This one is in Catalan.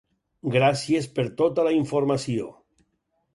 Gràcies per tota la informació.